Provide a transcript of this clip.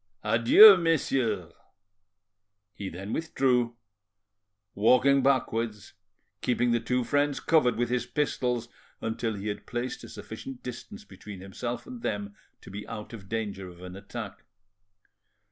Adieu, messieurs." He then withdrew, walking backwards, keeping the two friends covered with his pistols until he had placed a sufficient distance between himself and them to be out of danger of an attack.